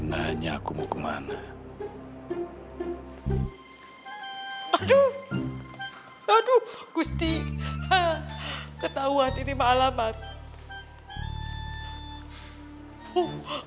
tanya tanya aku mau kemana aduh aduh gusti ketahuan ini malam batu